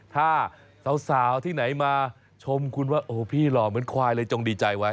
ถ้าสาวที่ไหนมาชมคุณว่าโอ้พี่หล่อเหมือนควายเลยจงดีใจไว้